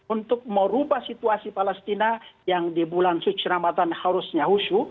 untuk merubah situasi palestina yang di bulan suci ramadhan harusnya husu